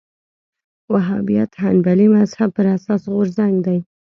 وهابیت حنبلي مذهب پر اساس غورځنګ دی